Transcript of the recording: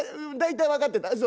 大体分かってた。